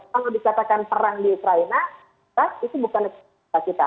kalau dikatakan perang di ukraina kan itu bukan eksplosif